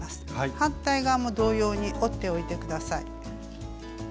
反対側も同様に折っておいて下さい。